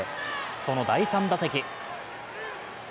その第３打席。